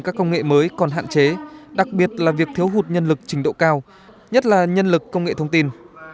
các công nghệ mới còn hạn chế đặc biệt là việc thiếu hụt nhân lực trình độ cao nhất là nhân lực công nghệ thông tin